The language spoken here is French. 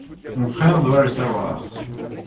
Mon frère doit le savoir.